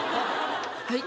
はい？